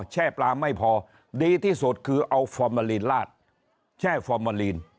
แช่ปลาไม่พอดีที่สุดคือเอาฟอร์มาลีนลาดแช่ฟอร์มาลีน